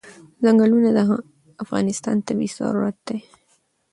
ځنګلونه د افغانستان طبعي ثروت دی.